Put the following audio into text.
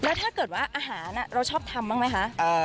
แล้วถ้าเกิดว่าอาหารเราชอบทำบ้างไหมคะ